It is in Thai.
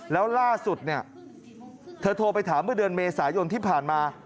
แล้วล่าสุดเนี่ยเธอโทรไปถามเมื่อเดือนเมษายนที่ผ่านมา